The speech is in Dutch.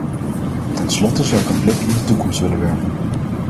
Ten slotte zou ik een blik in de toekomst willen werpen.